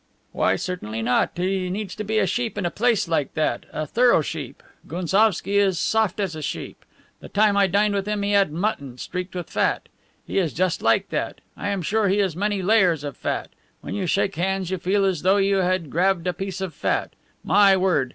"Why, certainly not. He needs to be a sheep in a place like that, a thorough sheep. Gounsovski is soft as a sheep. The time I dined with him he had mutton streaked with fat. He is just like that. I am sure he is mainly layers of fat. When you shake hands you feel as though you had grabbed a piece of fat. My word!